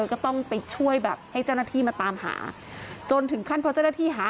ก็ต้องไปช่วยแบบให้เจ้าหน้าที่มาตามหาจนถึงขั้นพอเจ้าหน้าที่หา